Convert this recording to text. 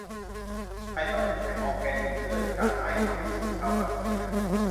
ไข่ต้องเป็นไข่ออแกนิคเพื่อจะไม่ทำให้สูตรชาววังเสีย